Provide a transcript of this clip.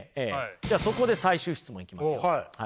じゃあそこで最終質問いきますよはい。